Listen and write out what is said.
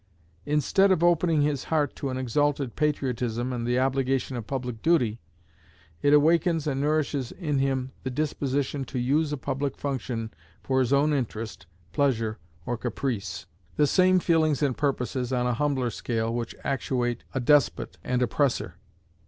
Instead of opening his heart to an exalted patriotism and the obligation of public duty, it awakens and nourishes in him the disposition to use a public function for his own interest, pleasure, or caprice; the same feelings and purposes, on a humbler scale, which actuate a despot and oppressor.